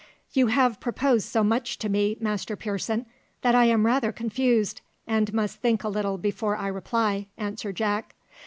"You have proposed so much to me, Master Pearson, that I am rather confused, and must think a little before I reply," answered Jack.